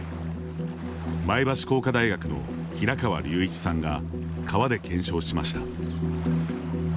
前橋工科大学の平川隆一さんが川で検証しました。